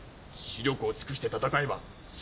死力を尽くして戦えば数日もつ。